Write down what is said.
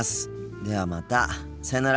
ではまたさよなら。